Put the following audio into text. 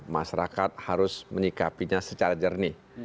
masyarakat harus menyikapinya secara jernih